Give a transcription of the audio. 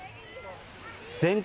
全国